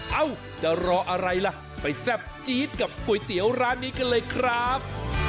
เอ้าจะรออะไรล่ะไปแซ่บจี๊ดกับก๋วยเตี๋ยวร้านนี้กันเลยครับ